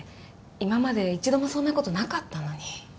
今まで一度もそんなことなかったのに。